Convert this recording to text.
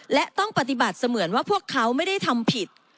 และต้องปฏิบัติเสมือนว่าพวกเขาไม่ได้ทำผิด